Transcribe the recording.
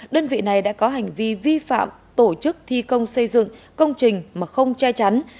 đơn vị này đã có hành vi vi phạm tổ chức thi công xây dựng công trình mà không che chắn